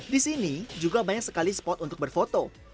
di sini juga banyak sekali spot untuk berfoto